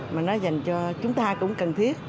mà nó dành cho chúng ta cũng cần thiết